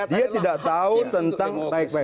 dia tidak tahu tentang